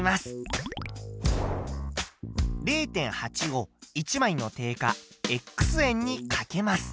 ０．８を１枚の定価円にかけます。